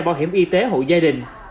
báo hiểm y tế hộ gia đình